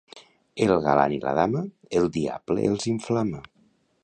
El galant i la dama, el diable els inflama.